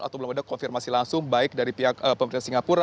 atau belum ada konfirmasi langsung baik dari pihak pemerintah singapura